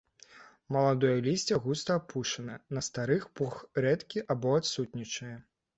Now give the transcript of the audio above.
Маладое лісце густа апушанае, на старых пух рэдкі або адсутнічае.